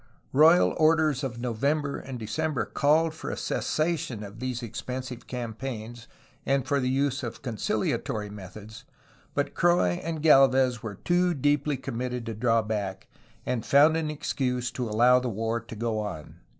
Royal orders of November and Decem ber called for a cessation of these expensive campaigns and for the use of conciliatory methods, but Croix and Gdlvez were too deeply committed to draw back, and found an excuse to allow the war to go on.